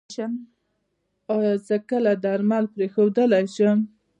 ایا زه کله درمل پریښودلی شم؟